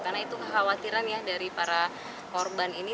karena itu khawatiran ya dari para korban ini